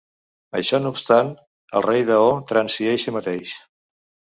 Això no obstant, el Rei Dao transí eixe mateix.